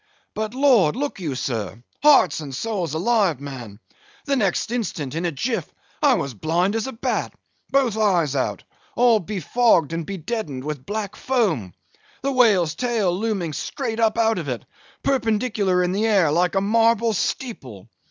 But, Lord, look you, sir—hearts and souls alive, man—the next instant, in a jiff, I was blind as a bat—both eyes out—all befogged and bedeadened with black foam—the whale's tail looming straight up out of it, perpendicular in the air, like a marble steeple.